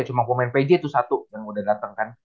cuma komen pj itu satu yang udah dateng kan